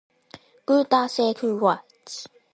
具体请查阅《哔哩哔哩合作方目录》。